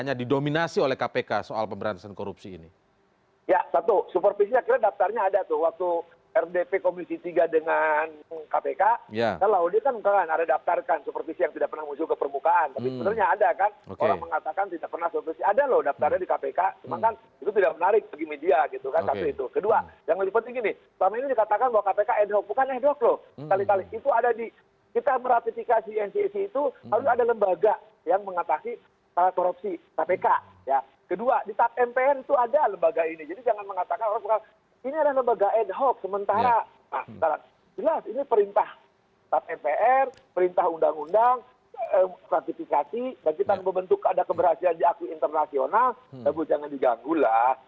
nah jelas ini perintah tap mpr perintah undang undang ratifikasi dan kita membentuk ada keberhasilan di aku internasional tapi jangan diganggu lah